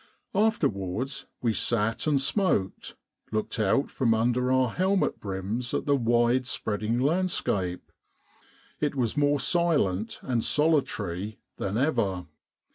Afterwards we sat and smoked, looking out from under our helmet brims at the wide spreading landscape. It was more silent and solitary than ever.